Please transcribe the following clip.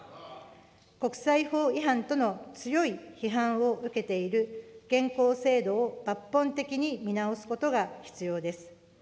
国際法違反との強い批判を受けている現行制度を、抜本的に見直すことが必要です。